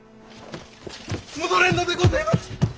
戻れんのでごぜます！